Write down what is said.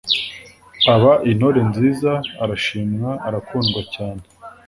Aba intore nziza arashimwa arakundwa cyane!